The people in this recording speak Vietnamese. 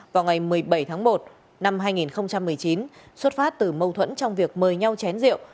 vào ngày một mươi bảy tháng một năm hai nghìn một mươi chín xuất phát từ mâu thuẫn trong việc mời nhau chén rượu